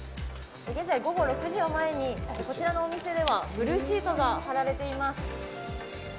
現在午後６時を前に、こちらのお店では、ブルーシートが張られています。